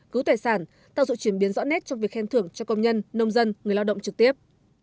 cứu tài sản tạo sự chuyển biến rõ nét trong việc khen thưởng cho công nhân nông dân người lao động trực tiếp